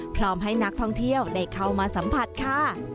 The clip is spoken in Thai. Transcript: พร้อมให้นักท่องเที่ยวได้เข้ามาสัมผัสค่ะ